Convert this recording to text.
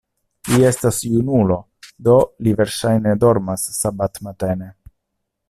Li estas junulo, do li verŝajne dormas sabatmatene.